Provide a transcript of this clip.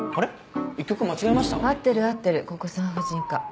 合ってる合ってるここ産婦人科。